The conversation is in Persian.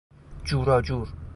جوراجور